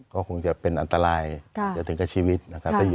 ก็คงจะเป็นอันตรายจะถึงกับชีวิตนะครับ